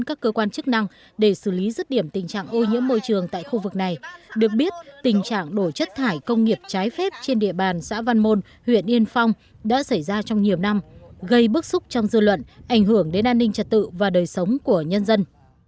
các cơ quan chức năng để xử lý rứt điểm tình trạng ô nhiễm môi trường tại khu vực này được biết tình trạng đổ chất thải công nghiệp trái phép trên địa bàn xã văn môn huyện yên phong đã xảy ra trong nhiều năm gây bức xúc trong dư luận ảnh hưởng đến an ninh trật tự và đời sống của nhân dân